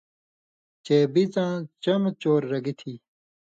چے بِڅاں چمہۡ چور رگی تھی